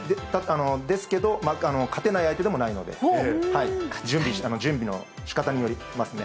ですけど、勝てない相手でもないので、準備のしかたによりますね。